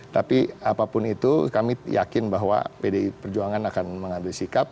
tapi apapun itu kami yakin bahwa pdi perjuangan akan mengambil sikap